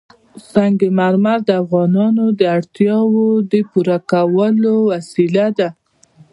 سنگ مرمر د افغانانو د اړتیاوو د پوره کولو وسیله ده.